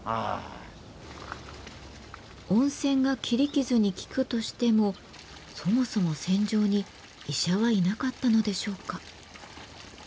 温泉が切り傷に効くとしてもそもそも戦場に医者はいなかったのでしょうか？